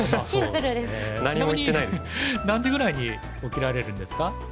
ちなみに何時ぐらいに起きられるんですか？